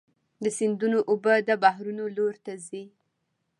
د سیندونو اوبه د بحرونو لور ته ځي.